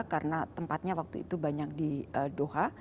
karena tempatnya waktu itu banyak di doha